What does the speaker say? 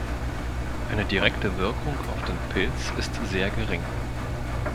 Eine direkte Wirkung auf den Pilz ist sehr gering.